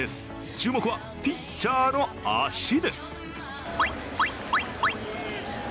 注目はピッチャーの足です。